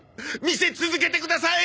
店続けてください！